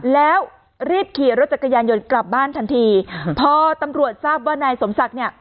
แล้วรีบขี่รถจักรยานยนต์กลับบ้านทันทีพอตำรวจทราบว่านายสมศักดิ์เนี่ย